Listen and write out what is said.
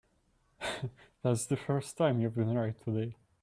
That's the first time you've been right today.